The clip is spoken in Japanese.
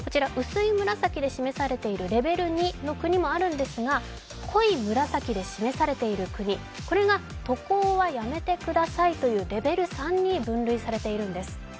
薄い紫で示しているレベル２の国もあるんですが、濃い紫で示されている国、これが渡航はやめてくださいというレベル３に分類されているんです。